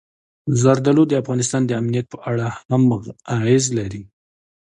زردالو د افغانستان د امنیت په اړه هم اغېز لري.